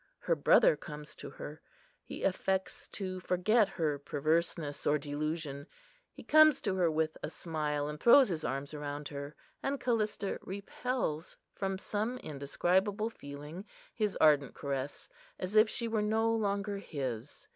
Her brother comes to her: he affects to forget her perverseness or delusion. He comes to her with a smile, and throws his arms around her; and Callista repels, from some indescribable feeling, his ardent caress, as if she were no longer his.